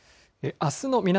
あすの南